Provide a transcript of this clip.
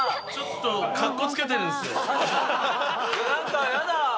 何かやだ。